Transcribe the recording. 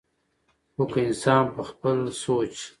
خو کۀ انسان پۀ خپل سوچ